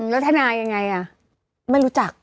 แล้วท่านายยังไงอ่ะ